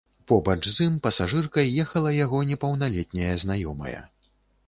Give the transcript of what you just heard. Побач з ім пасажыркай ехала яго непаўналетняя знаёмая.